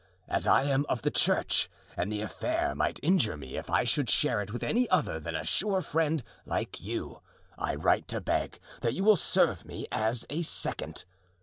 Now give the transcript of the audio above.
As I am of the church, and the affair might injure me if I should share it with any other than a sure friend like you, I write to beg that you will serve me as second.